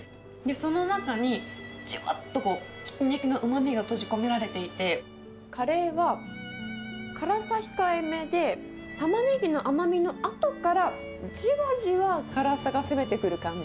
その中に、じゅわっとこう、ひき肉のうまみが閉じ込められていて、カレーは辛さ控えめで、タマネギの甘みのあとから、じわじわ辛さが攻めてくる感じ。